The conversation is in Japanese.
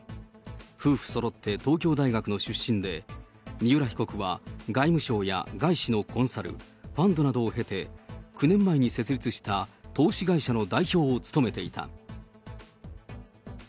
夫婦そろって東京大学の出身で、三浦被告は外務省は外資のコンサル、ファンドなどを経て、９年前に設立した投資会社の代表を務めていた。